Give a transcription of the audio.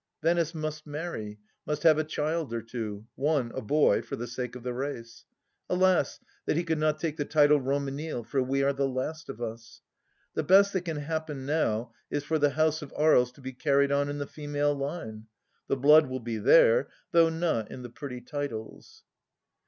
Venice must marry, must have a child or two : one a boy, for the sake of the race. Alas, that he could not take the title Romanille, for we are the last of us ! The best that can happen now is for the house of Aries to be carried on in the female line. The blood will be there, though not the pretty titles.